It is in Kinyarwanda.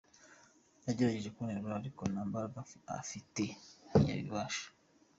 Yagerageje kunterura ariko nta mbaraga afite ntiyabibasha.”